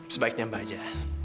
sebaiknya mba aja